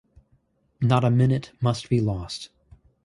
Not a minute must be lost.